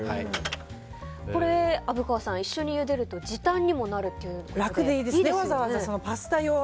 虻川さん、一緒にゆでると時短にもなるということで。